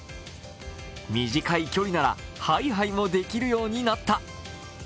短い距離ならはいはいもできるようになった。